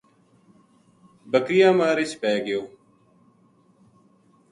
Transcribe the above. بکریاں ما رچھ پے گیو